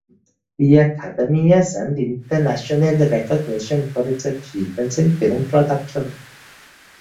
The academy has earned international recognition for its achievements in film production.